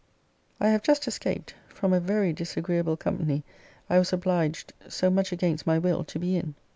I have just escaped from a very disagreeable company I was obliged, so much against my will, to be in.